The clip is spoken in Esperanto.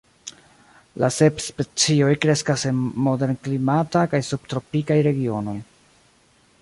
La sep specioj kreskas en moderklimataj kaj subtropikaj regionoj.